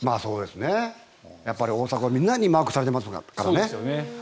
大迫はみんなにマークされてますからね。